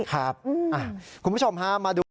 คุณผู้ชมฮะมาดู